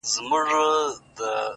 هغه لمرینه نجلۍ تور ته ست کوي _